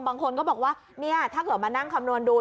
บางคนก็บอกว่าเนี่ยถ้าเกิดมานั่งคำนวณดู